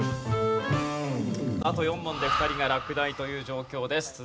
あと４問で２人が落第という状況です。